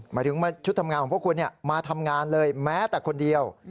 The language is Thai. หมายถึงชุดทำงานของพวกคุณมาทำงานเลยแม้แต่คนเดียว